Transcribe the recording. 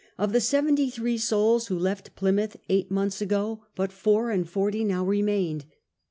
Of the seventy three souls who left Pl3rmouth eight months ago but four and forty now remained.